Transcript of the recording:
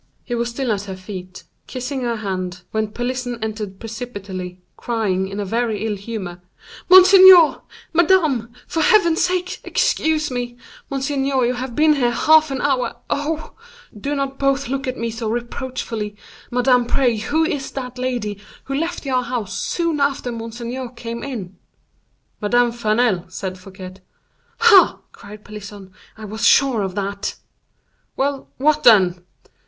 He was still at her feet, kissing her hand, when Pelisson entered precipitately, crying, in very ill humor, "Monseigneur! madame! for Heaven's sake! excuse me. Monseigneur, you have been here half an hour. Oh! do not both look at me so reproachfully. Madame, pray who is that lady who left your house soon after monseigneur came in?" "Madame Vanel," said Fouquet. "Ha!" cried Pelisson, "I was sure of that." "Well! what then?"